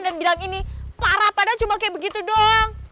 dan bilang ini parah padahal cuma kayak begitu doang